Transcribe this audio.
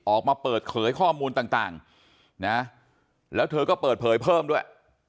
ออกมาเปิดเผยข้อมูลต่างนะแล้วเธอก็เปิดเผยเพิ่มด้วย